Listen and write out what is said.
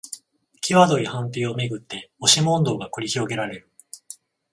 きわどい判定をめぐって押し問答が繰り広げられる